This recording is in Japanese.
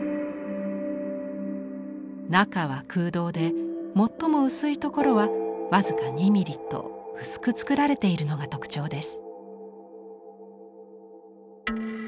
中は空洞で最も薄い所は僅か２ミリと薄く作られているのが特徴です。